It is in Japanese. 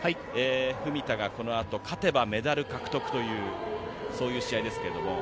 文田がこの後、勝てばメダル獲得というそういう試合です。